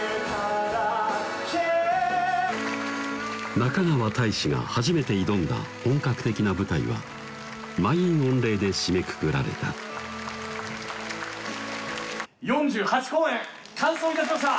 中川大志が初めて挑んだ本格的な舞台は満員御礼で締めくくられた４８公演完走いたしました！